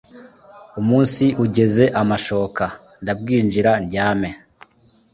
Umunsi ugeze amashoka Ndabwinjira ndyame?